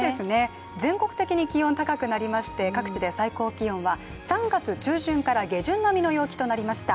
全国的に気温高くなりまして各地の最高気温は３月下旬から下旬並みの陽気となりました。